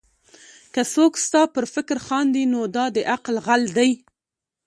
که څوک ستا پر فکر خاندي؛ نو دا د عقل غل دئ.